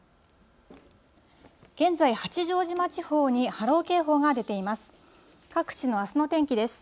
現在、八丈島地方に波浪警報が出ています。